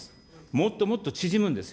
もっともっと縮むんです。